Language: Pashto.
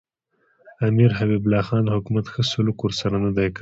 امیر حبیب الله خان حکومت ښه سلوک ورسره نه دی کړی.